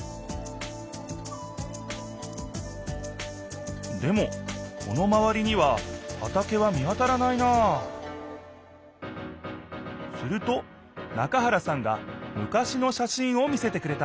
秋のでもこのまわりにははたけは見当たらないなすると中原さんが昔のしゃしんを見せてくれた。